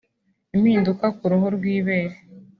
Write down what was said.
impinduka ku ruhu rw’ibere